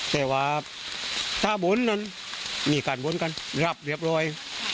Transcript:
แต่ว่าถ้าบุญนั้นรับเรียบร้อย